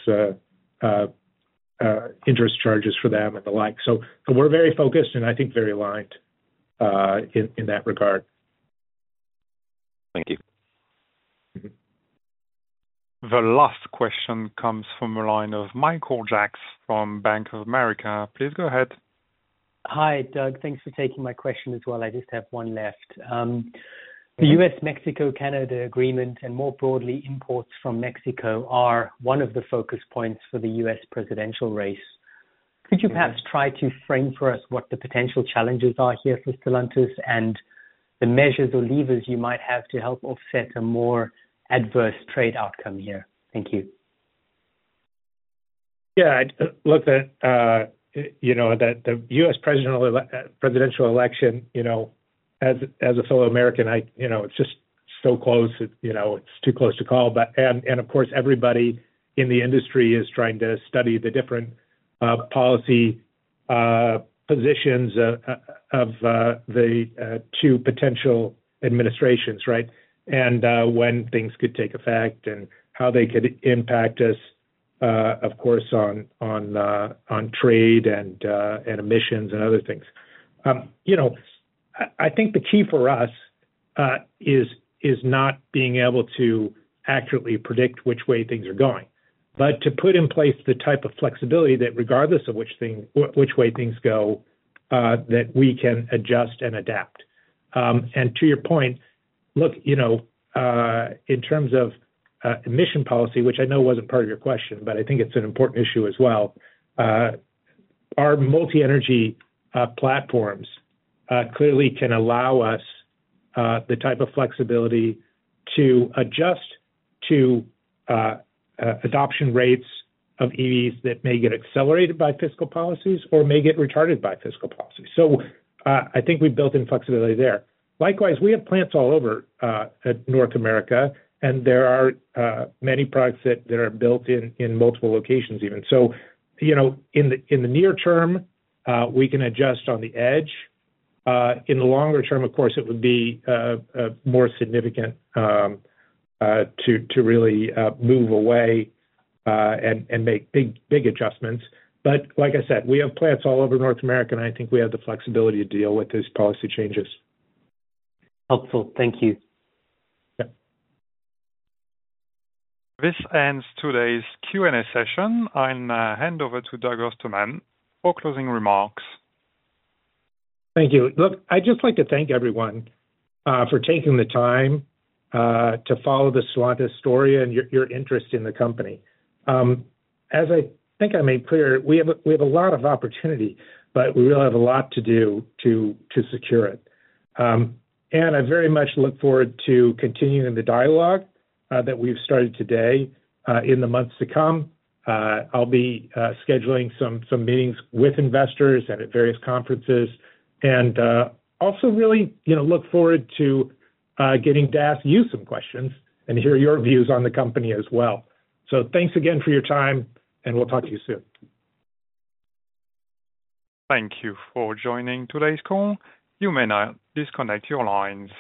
interest charges for them and the like, so we're very focused and I think very aligned in that regard. Thank you. The last question comes from the line of Michael Jacks from Bank of America. Please go ahead. Hi, Doug. Thanks for taking my question as well. I just have one left. The U.S.-Mexico-Canada Agreement and more broadly imports from Mexico are one of the focus points for the U.S. presidential race. Could you perhaps try to frame for us what the potential challenges are here for Stellantis and the measures or levers you might have to help offset a more adverse trade outcome here? Thank you. Yeah. Look, the U.S. presidential election, as a fellow American, it's just so close. It's too close to call. And of course, everybody in the industry is trying to study the different policy positions of the two potential administrations, right, and when things could take effect and how they could impact us, of course, on trade and emissions and other things. I think the key for us is not being able to accurately predict which way things are going, but to put in place the type of flexibility that regardless of which way things go, that we can adjust and adapt. To your point, look, in terms of emission policy, which I know wasn't part of your question, but I think it's an important issue as well, our multi-energy platforms clearly can allow us the type of flexibility to adjust to adoption rates of EVs that may get accelerated by fiscal policies or may get retarded by fiscal policies. So I think we've built in flexibility there. Likewise, we have plants all over North America, and there are many products that are built in multiple locations even. So in the near term, we can adjust on the edge. In the longer term, of course, it would be more significant to really move away and make big adjustments. But like I said, we have plants all over North America, and I think we have the flexibility to deal with these policy changes. Helpful. Thank you. This ends today's Q&A session. I'll hand over to Doug Ostermann for closing remarks. Thank you. Look, I'd just like to thank everyone for taking the time to follow the Stellantis story and your interest in the company. As I think I made clear, we have a lot of opportunity, but we really have a lot to do to secure it. And I very much look forward to continuing the dialogue that we've started today in the months to come. I'll be scheduling some meetings with investors and at various conferences and also really look forward to getting to ask you some questions and hear your views on the company as well. So thanks again for your time, and we'll talk to you soon. Thank you for joining today's call. You may now disconnect your lines.